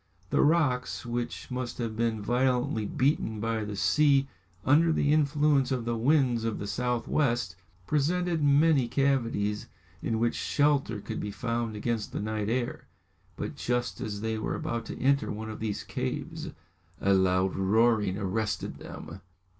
The rocks, which must have been violently beaten by the sea under the influence of the winds of the south west, presented many cavities in which shelter could be found against the night air. But just as they were about to enter one of these caves a loud roaring arrested them.